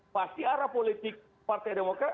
pasti arah politik partai demokrat